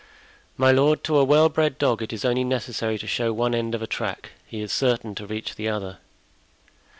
"My lord, to a well bred dog it is only necessary to show one end of a track; he is certain to reach the other."